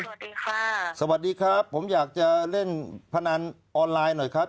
สวัสดีค่ะสวัสดีครับผมอยากจะเล่นพนันออนไลน์หน่อยครับ